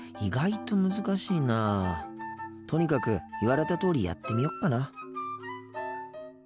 とにかく言われたとおりやってみよっかな。